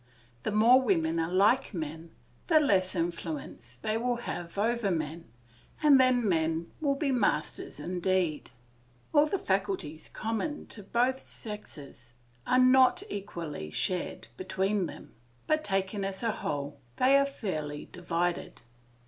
The more women are like men, the less influence they will have over men, and then men will be masters indeed. All the faculties common to both sexes are not equally shared between them, but taken as a whole they are fairly divided.